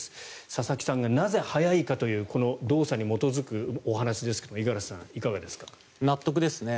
佐々木さんがなぜ速いかというこの動作に基づくお話ですが納得ですね。